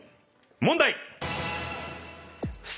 問題！